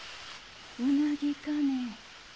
うなぎかね。